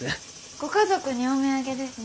ご家族にお土産ですね。